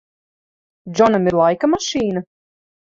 Džonam ir laika mašīna?